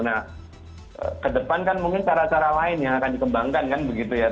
nah ke depan kan mungkin cara cara lain yang akan dikembangkan kan begitu ya